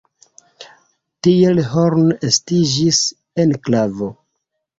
Tiel Horn estiĝis enklavo.